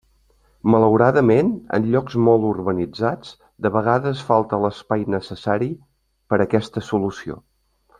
Malauradament, en llocs molt urbanitzats, de vegades falta l'espai necessari per a aquesta solució.